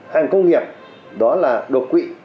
hàng công nghiệp đó là đột quỵ